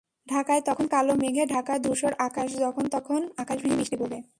ঢাকায় তখন কালো মেঘে ঢাকা ধূসর আকাশ, যখন-তখন আকাশ ভেঙে বৃষ্টি পড়বে।